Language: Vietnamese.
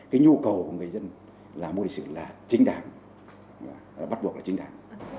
cái nhu cầu của người dân là môn lịch sử là chính đảm bắt buộc là chính đảm